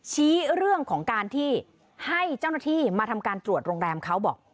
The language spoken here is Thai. ชี้เรื่องของการที่ให้เจ้าหน้าที่มาทำการตรวจโรงแรมเขาบอก